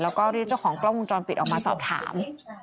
แล้วก็เรียกเจ้าของกล้องวงจรปิดออกมาสอบถาม